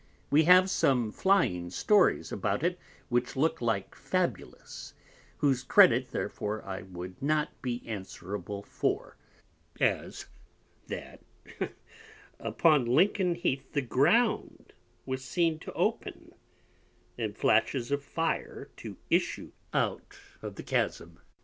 We have some flying Stories about it which look like fabulous, whose Credit therefore I wou'd not be answerable for; as, that upon Lincoln Heath the Ground was seen to open, and Flashes of Fire to issue out of the Chasm.